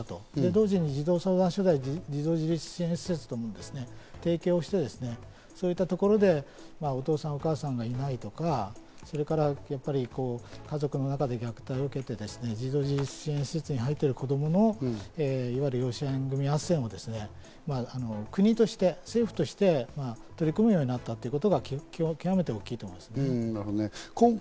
同時に児童自立支援施設とも提携をして、そういったところでお父さん・お母さんがいないとか、家族の中で虐待を受けて、自立支援施設に入ってる子供のいわゆる養子縁組あっせんを国として、政府として取り組むようになったということが極めて大きいと思います。